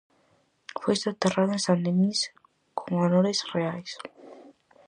Foi soterrado en San Denís con honores reais.